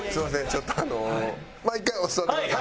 ちょっとあのまあ１回座ってください。